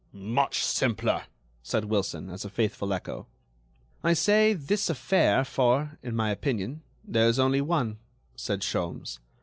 "Much simpler," said Wilson, as a faithful echo. "I say 'this affair,' for, in my opinion, there is only one," said Sholmes.